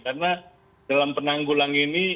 karena dalam penanggulang ini